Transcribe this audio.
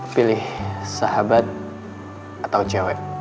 pilih sahabat atau cewek